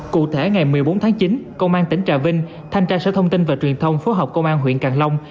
cụ thể ngày một mươi bốn tháng chín công an tỉnh trà vinh thanh tra sở thông tin và truyền thông phối hợp công an huyện càng long